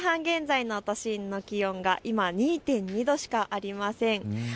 ６時半現在の都心の気温は、今、２．２度しかありません。